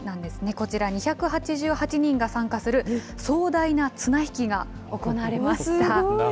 こちら、２８８人が参加する壮大な綱引きが行われました。